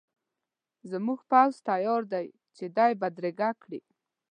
زموږ پوځ تیار دی چې دی بدرګه کړي.